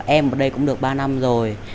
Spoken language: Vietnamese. em ở đây cũng được ba năm rồi